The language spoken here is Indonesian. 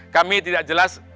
kami tidak jelas